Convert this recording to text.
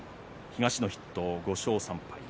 東の筆頭、５勝３敗。